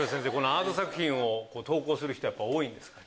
アート作品を投稿する人は多いんですか？